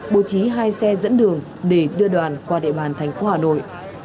bố trí hai xe dẫn đường để đưa đoàn qua địa bàn thành phố hà nội